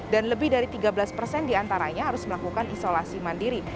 dan lebih dari tiga belas persen diantaranya harus melakukan isolasi mandiri